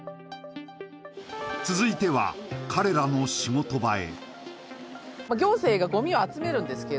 続いては彼らの仕事場へ。